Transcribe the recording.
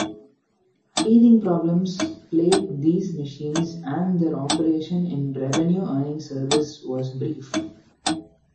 Teething problems plagued these machines and their operation in revenue earning service was brief.